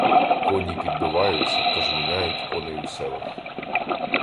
Коні підбиваються, тож міняють коней у селах.